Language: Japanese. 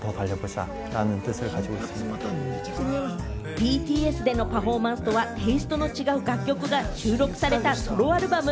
ＢＴＳでのパフォーマンスとはテイストの違う楽曲が収録されたソロアルバム。